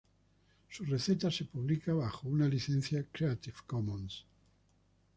Su receta se publica bajo una licencia Creative Commons.